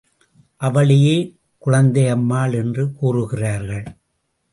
அவளையே குழந்தையம்மாள் என்று கூறுகிறார்கள்.